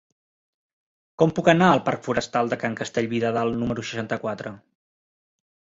Com puc anar al parc Forestal de Can Castellví de Dalt número seixanta-quatre?